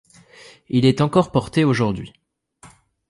Il est encore porté aujourd'hui.